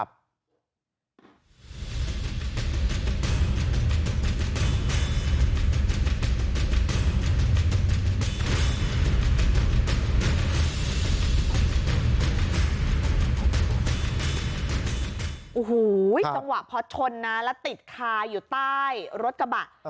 โอ้โหจังหวะพอชนนะแล้วติดคาอยู่ใต้รถกระบะ